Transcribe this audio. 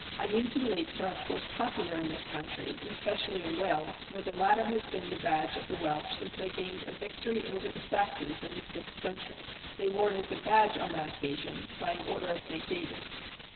Onions and leeks are of course popular in this country, and especially in Wales, where the latter has been the badge of the Welsh since they gained a victory over the Saxons in the sixth century. They wore it as a badge on that occasion by an order of St. David.